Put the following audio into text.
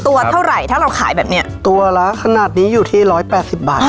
ตัวเท่าไหร่ถ้าเราขายแบบเนี้ยตัวละขนาดนี้อยู่ที่ร้อยแปดสิบบาท